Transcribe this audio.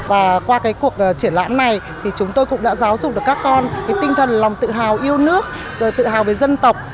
và qua cuộc triển lãm này thì chúng tôi cũng đã giáo dục được các con tinh thần lòng tự hào yêu nước tự hào về dân tộc